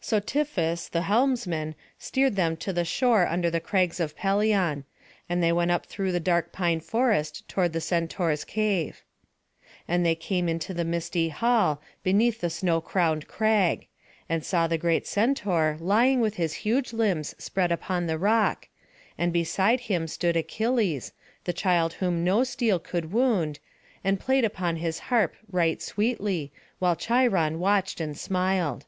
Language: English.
So Tiphys, the helmsman, steered them to the shore under the crags of Pelion; and they went up through the dark pine forests toward the Centaur's cave. And they came into the misty hall, beneath the snow crowned crag; and saw the great Centaur lying with his huge limbs spread upon the rock; and beside him stood Achilles, the child whom no steel could wound, and played upon his harp right sweetly, while Cheiron watched and smiled.